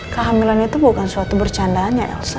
kehamilan itu bukan suatu bercandaan ya elsa